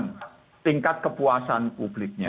karena tingkat kepuasan publiknya